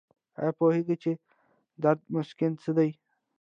ایا پوهیږئ چې درد مسکن څه دي؟